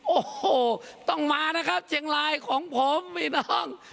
โอ้โหต้องมานะครับเชียงรายของผมพี่น้อง